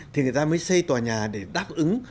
thì người ta mới xây tòa nhà để đáp ứng